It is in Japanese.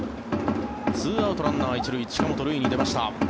２アウト、ランナー１塁近本、塁に出ました。